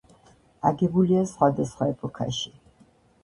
აგებულია სხვადასხვა ეპოქაში.